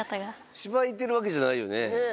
しばいてるわけじゃないよね。